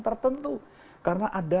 tertentu karena ada